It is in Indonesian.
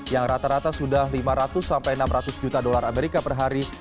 yang rata rata sudah lima ratus sampai enam ratus juta dolar amerika per hari